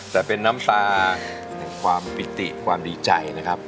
แต่เป็นน้ำตาแห่งความปิติความดีใจนะครับ